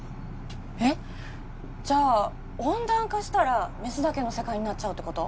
えっじゃあ温暖化したらメスだけの世界になっちゃうってこと？